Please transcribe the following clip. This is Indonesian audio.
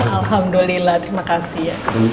alhamdulillah terima kasih ya